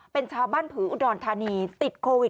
เป็นชาวบ้านผืออุดรธานีติดโควิด